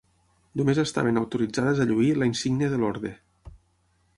Només estaven autoritzades a lluir la insígnia de l'Orde.